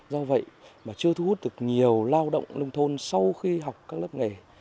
do vậy mà chưa thu hút được nhiều lao động nông thôn sau khi học các lớp nghề